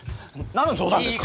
何の冗談ですか？